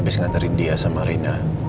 base ngantarin dia sama rina